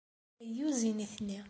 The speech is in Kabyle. Ayyuz i nitni.